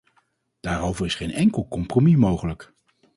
Daarover is geen enkel compromis mogelijk.